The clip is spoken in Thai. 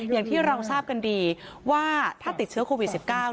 อย่างที่เราทราบกันดีว่าถ้าติดเชื้อโควิด๑๙